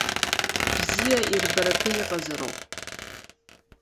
Бзиа ирбаратәы иҟазароуп.